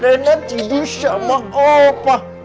reena tidur sama opah